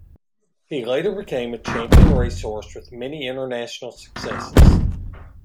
He later became a champion racehorse with many international successes.